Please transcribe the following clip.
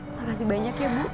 makasih banyak ya bu